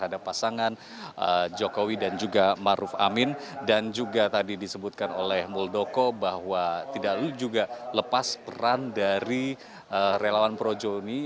ada pasangan jokowi dan juga maruf amin dan juga tadi disebutkan oleh muldoko bahwa tidak juga lepas peran dari relawan projo ini